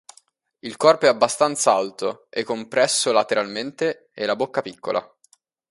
Il corpo è abbastanza alto e compresso lateralmente e la bocca piccola.